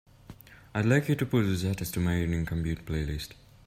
I'd like for you to put this artist to my Evening Commute playlist.